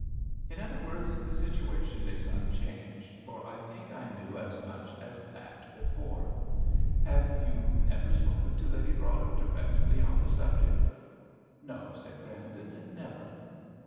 "In other words, the situation is unchanged, for I think I knew as much as that before. Have you never spoken to Lady Broadhem directly on the subject?" "No," said Grandon "never."